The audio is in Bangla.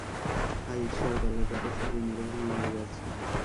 হায় ঈশ্বর, গলাটাতো শুকিয়ে মরুভূমি হয়ে গেছে।